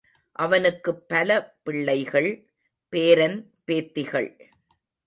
அவனுக்குப் பல பிள்ளைகள், பேரன் பேத்திகள்.